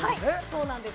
そうなんです。